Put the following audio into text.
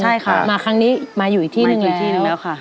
ใช่ค่ะมาครั้งนี้มาอยู่อีกที่หนึ่งแล้ว